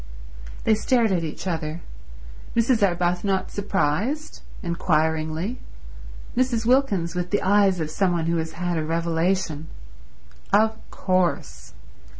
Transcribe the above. They stared at each other; Mrs. Arbuthnot surprised, inquiringly, Mrs. Wilkins with the eyes of some one who has had a revelation. Of course.